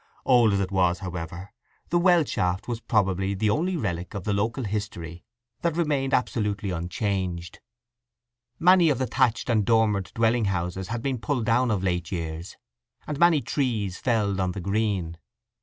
Old as it was, however, the well shaft was probably the only relic of the local history that remained absolutely unchanged. Many of the thatched and dormered dwelling houses had been pulled down of late years, and many trees felled on the green.